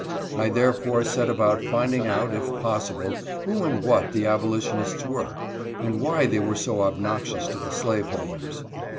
I therefore set about finding out, if pos sible, who and what the abolitionists were, and why they were so obnoxious to the slaveholders.